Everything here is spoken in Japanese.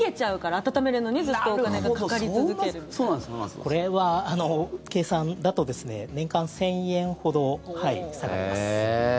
これは計算だとですね年間１０００円ほど下がります。